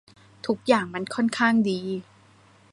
ทุกอย่างมันค่อนข้างดี